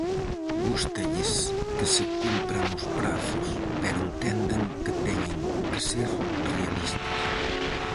Gústalles que se cumpran os prazos, pero entenden que teñen que ser realistas.